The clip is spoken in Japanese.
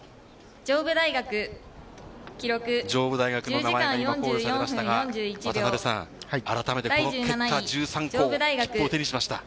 上武大学の名前が今コールされましたが、渡辺さん、改めてこの結果、１３校切符を手にしました。